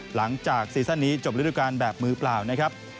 หลังจากซีซั่นนี้จบฤทธิการแบบมือเปล่านะครับ